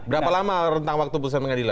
berapa lama rentang waktu putusan pengadilan